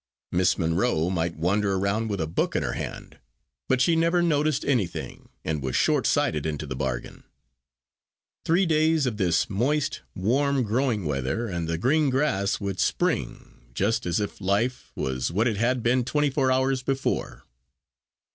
Miss Monro might wander round with a book in her hand; but she never noticed anything, and was short sighted into the bargain. Three days of this moist, warm, growing weather, and the green grass would spring, just as if life was what it had been twenty four hours before.